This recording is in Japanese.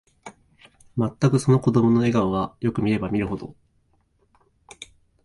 まったく、その子供の笑顔は、よく見れば見るほど、